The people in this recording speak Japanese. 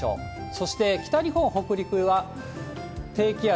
そして北日本、北陸は低気圧、